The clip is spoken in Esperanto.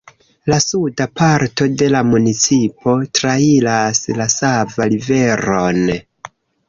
La suda parto de la municipo trairas la Sava Riveron.